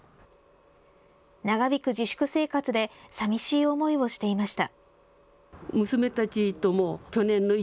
長引く自粛生活でさみしい思いをしていました。